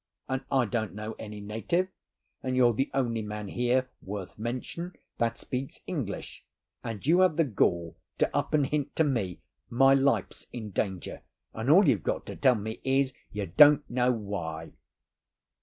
And I don't know any native, and you're the only man here worth mention that speaks English, and you have the gall to up and hint to me my life's in danger, and all you've got to tell me is you don't know why!"